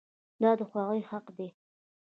دا د هغوی حق دی.